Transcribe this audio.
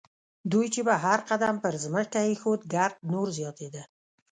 دوی چې به هر قدم پر ځمکه اېښود ګرد نور زیاتېده.